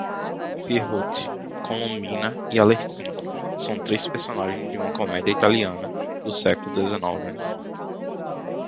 Pierrot, Colombina e Arlequim são três personagens de uma comédia italiana do século dezenove.